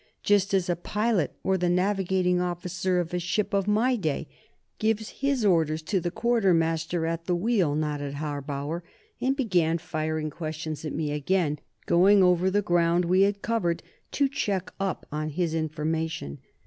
"Just as a pilot, or the navigating officer of a ship of my day gives his orders to the quartermaster at the wheel," nodded Harbauer, and began firing questions at me again, going over the ground we had covered, to check up on his information.